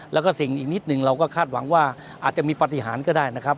แล้วก็สิ่งอีกนิดหนึ่งเราก็คาดหวังว่าอาจจะมีปฏิหารก็ได้นะครับ